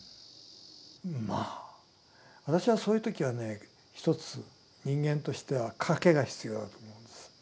まあ私はそういう時はねひとつ人間としては賭けが必要だと思うんです。